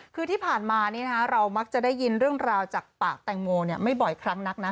คือที่ผ่านมาเรามักจะได้ยินเรื่องราวจากปากแตงโมไม่บ่อยครั้งนักนะ